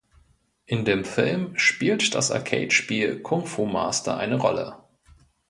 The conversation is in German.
In dem Film spielt das Arcade-Spiel Kung-Fu Master eine Rolle.